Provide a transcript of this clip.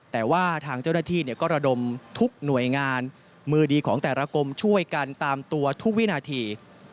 แต่ว่าทางเจ้าหน้าที่ก็ระดมทุกหน่วยงานมือดีของแต่ละกรมช่วยกันตามตัวทุกวินาที